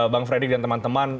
bang fredrik dan teman teman